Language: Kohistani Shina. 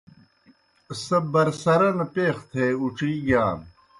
سہ برسرن پیخہ تھے اُڇِی گِیان۔